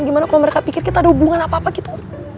gimana kalau mereka pikir kita ada hubungan apa apa gitu